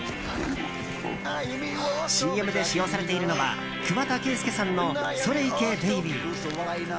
ＣＭで使用されているのは桑田佳祐さんの「それ行けベイビー！！」。